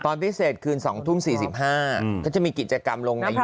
ตอนพิเศษคืน๒ทุ่ม๔๕ก็จะมีกิจกรรมลงในยูทูป